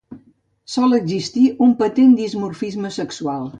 Sol existir un patent dimorfisme sexual.